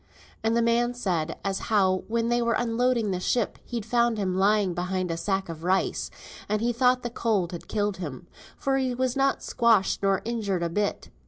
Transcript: And the man said as how when they were unloading the ship he'd found him lying behind a bag of rice, and he thought the cold had killed him, for he was not squashed nor injured a bit.